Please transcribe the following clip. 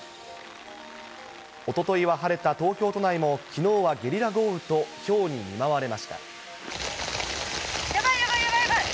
おとといは晴れた東京都内もきのうはゲリラ豪雨とひょうに見舞わやばい、やばい、やばい、やばい。